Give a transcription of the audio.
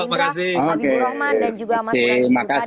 pak bimur rahman dan juga mas murad ibu kandang